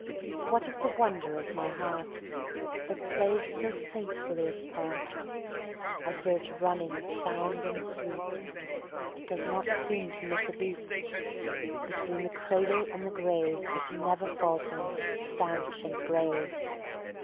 What of the wonder of my Heart, That plays so faithfully its part? I hear it running sound and sweet; It does not seem to miss a beat; Between the cradle and the grave It never falters, stanch and brave.